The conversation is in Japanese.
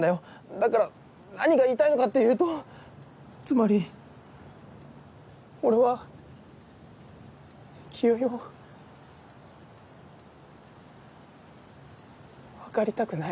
だから何が言いたいのかっていうとつまり俺は清居を分かりたくない。